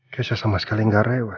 keisha sama sekali gak rewel